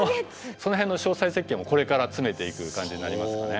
その辺の詳細設計もこれから詰めていく感じになりますかね。